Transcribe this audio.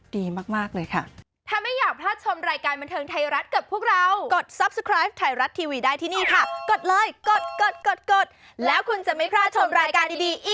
ดีมากเลยค่ะ